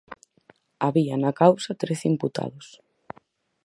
Había na causa trece imputados.